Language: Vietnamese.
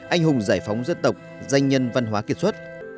anh hùng giải phóng dân tộc danh nhân văn hóa kiệt xuất